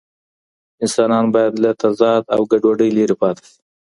انسانان بايد له تضاد او ګډوډۍ لرې پاته سي.